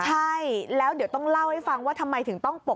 ใช่แล้วเดี๋ยวต้องเล่าให้ฟังว่าทำไมถึงต้องปก